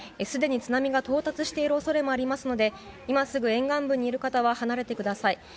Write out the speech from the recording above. すでに津波が到達している恐れもありますので今すぐ沿岸部にいる方は離れてください。